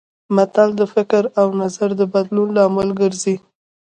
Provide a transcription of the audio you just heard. متل د فکر او نظر د بدلون لامل ګرځي